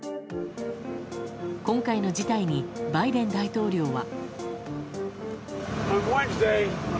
今回の事態にバイデン大統領は。